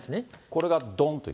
これがどんと？